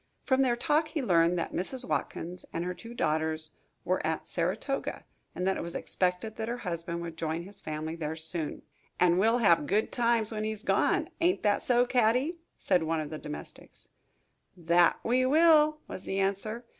From their talk, he learned that Mrs. Watkins and her two daughters were at Saratoga, and that it was expected that the husband would join his family there soon. "And we'll have good times when he's gone, ain't that so, Caddie?" said one of the domestics. "That we will," was the answer.